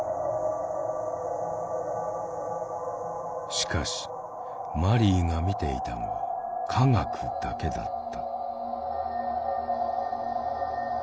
しかしマリーが見ていたのは「科学」だけだった。